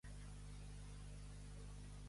En terra del senyor meu ni el que trepitjo és meu.